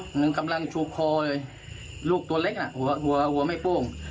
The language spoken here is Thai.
หนึ่งกำลังชุบคอลูกตัวเล็กนะหัวไม่โป้ง